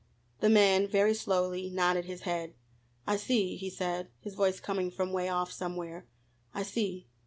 The man very slowly nodded his head. "I see," he said, his voice coming from 'way off somewhere, "I see."